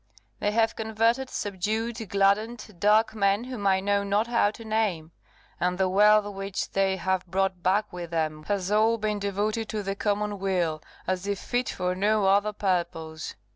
They have converted, subdued, gladdened, dark men whom I know not how to name; and the wealth which they have brought back with them has all been devoted to the common weal, as if fit for no other purpose.